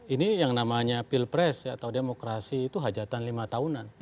ini yang namanya pilpres atau demokrasi itu hajatan lima tahunan